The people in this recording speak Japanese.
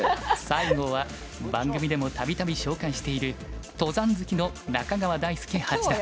最後は番組でも度々紹介している登山好きの中川大輔八段。